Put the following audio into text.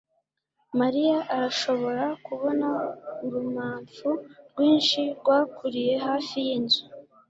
mariya arashobora kubona urumamfu rwinshi rwakuriye hafi yinzu